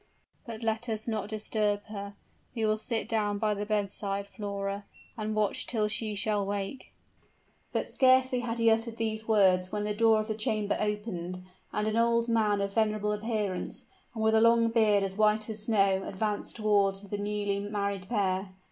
"But let us not disturb her. We will sit down by the bedside, Flora, and watch till she shall awake." But scarcely had he uttered these words when the door of the chamber opened, and an old man of venerable appearance, and with a long beard as white as snow, advanced toward the newly married pair.